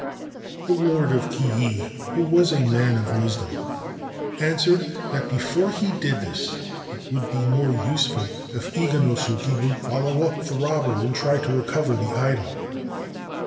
The Lord of Kii, who was a man of wisdom, answered that before he did this it would be more useful if Iganosuke would follow up the robber and try to recover the idol.